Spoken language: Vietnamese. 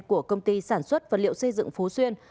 của công ty sản xuất vật liệu xây dựng phú xuyên